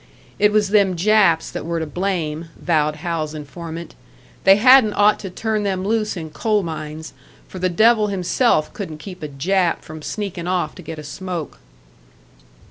It was them Japs that were to blame, vowed Hal's informant. They hadn't ought to turn them loose in coal mines, for the devil himself couldn't keep a Jap from sneaking off to get a smoke.